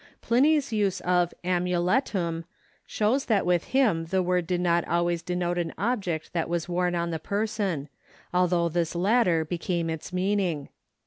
Pliny's use of amuletum shows that with him the word did not always denote an object that was worn on the person, although this later became its meaning.